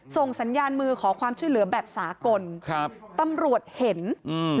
ส่งสัญญาณมือขอความช่วยเหลือแบบสากลครับตำรวจเห็นอืม